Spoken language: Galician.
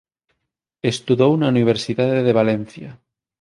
Estudou na Universidade de Valencia.